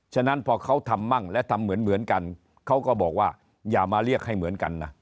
ฉะนั้นพอเขาทำมั่งและทำเหมือนกันเขาก็บอกว่าอย่ามาเรียกให้เหมือนกันนะ